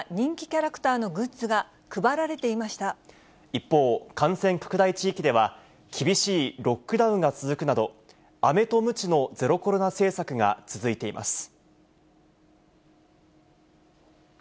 一方、感染拡大地域では、厳しいロックダウンが続くなど、あめとむちのゼロコロナ政策が続いています。